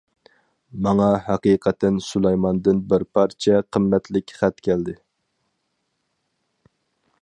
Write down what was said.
ماڭا ھەقىقەتەن سۇلايماندىن بىر پارچە قىممەتلىك خەت كەلدى.